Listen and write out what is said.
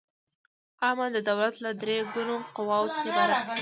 عامه د دولت له درې ګونو قواوو څخه عبارت ده.